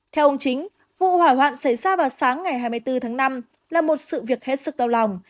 theo ông chính vụ hỏa hoạn xảy ra vào sáng ngày hai mươi bốn tháng năm là một sự việc hết sức đau lòng